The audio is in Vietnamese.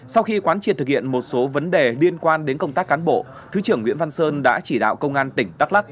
sau khi quán triệt thực hiện một số vấn đề liên quan đến công tác cán bộ thứ trưởng nguyễn văn sơn đã chỉ đạo công an tỉnh đắk lắc